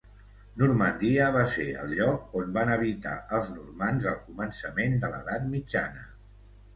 Normandia va ser el lloc on van habitar els normands al començament de l'edat mitjana.